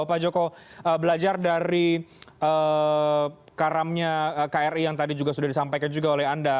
pak joko belajar dari karamnya kri yang tadi juga sudah disampaikan juga oleh anda